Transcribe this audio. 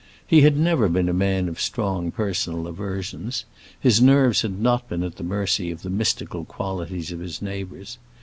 He had never been a man of strong personal aversions; his nerves had not been at the mercy of the mystical qualities of his neighbors.